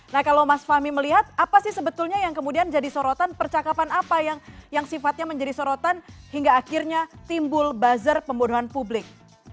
nah kalau mas fahmi melihat apa sih sebetulnya yang kemudian jadi sorotan percakapan apa yang sifatnya menjadi sorotan hingga akhirnya timbul buzzer pembunuhan publik